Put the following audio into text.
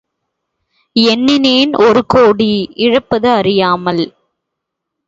எண்ணினேன் ஒரு கோடி, இழப்பது அறியாமல்.